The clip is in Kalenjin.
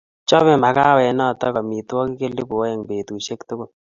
chobe makawet notok amitwogik elipu aeng petushek tugul